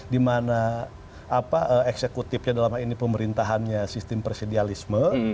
dimana eksekutifnya dalam hal ini pemerintahannya sistem presidialisme